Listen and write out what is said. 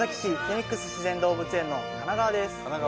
フェニックス自然動物園の金川です